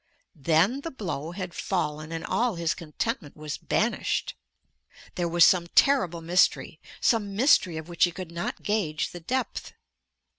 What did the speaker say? Then the blow had fallen, and all his contentment was banished. There was some terrible mystery, some mystery of which he could not gauge the depth.